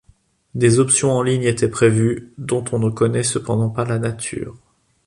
Des options en ligne étaient prévues, dont on ne connaît cependant pas la nature.